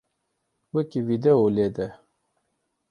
Wekî vîdeo lêde.